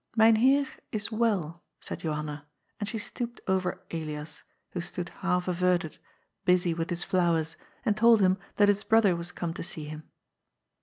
" Myn Heer is well," said Johanna, and she stooped over Elias, who stood half averted, busy with his flowers, and told him that his brother was come to see him.